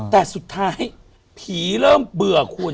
แต่สุดท้ายผีเริ่มเบื่อคุณ